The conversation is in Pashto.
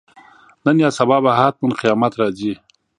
نن یا سبا به حتماً قیامت راځي.